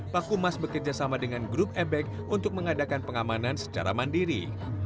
pak kumas bekerjasama dengan grup ebek untuk mengadakan pengamanan secara mandiri